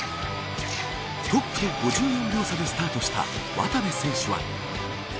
トップと５４秒差でスタートした渡部選手は。